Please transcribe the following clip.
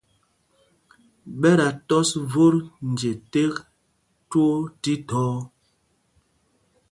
Ɓɛ dā tɔs vot nje tēk twóó thíthɔɔ.